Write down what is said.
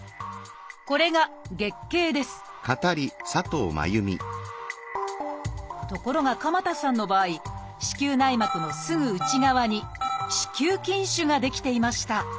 これが「月経」ですところが鎌田さんの場合子宮内膜のすぐ内側に子宮筋腫が出来ていました。